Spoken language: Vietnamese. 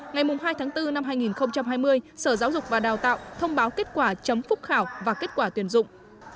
ngày hai tháng bốn năm hai nghìn hai mươi sở giáo dục và đào tạo thông báo kết quả chấm phúc khảo và kết quả tuyển dụng